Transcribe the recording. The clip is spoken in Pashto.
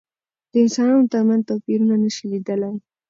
د انسانانو تر منځ توپيرونه نشي لیدلای.